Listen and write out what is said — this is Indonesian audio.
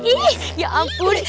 ih ya ampun